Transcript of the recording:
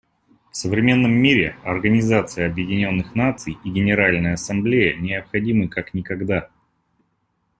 В современном мире Организация Объединенных Наций и Генеральная Ассамблея необходимы как никогда.